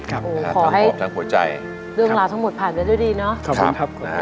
ขอให้เรื่องราวทั้งหมดผ่านด้วยดีเนอะขอบคุณครับขอโทษ